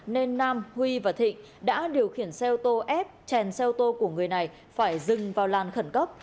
nên nam huy và thịnh đã điều khiển xe ô tô ép chèn xe ô tô của người này phải dừng vào làn khẩn cấp